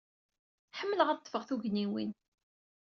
Ḥemmleɣ ad d-ḍḍfeɣ tugniwin.